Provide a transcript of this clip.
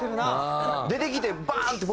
出てきてバーン！って